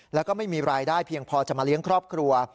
แล้วก็ไม่มีรายได้เพียงพอจะมาเลี้ยงครอบครัว